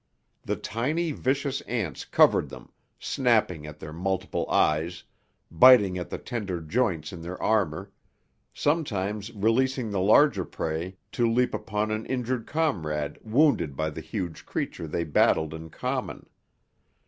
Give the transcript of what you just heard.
The tiny, vicious ants covered them, snapping at their multiple eyes, biting at the tender joints in their armour sometimes releasing the larger prey to leap upon an injured comrade wounded by the huge creature they battled in common.